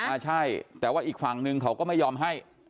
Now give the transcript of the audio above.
อ่าใช่แต่ว่าอีกฝั่งนึงเขาก็ไม่ยอมให้